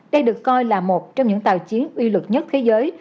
đây được coi là một trong những tàu chiến uy lực nhất thế giới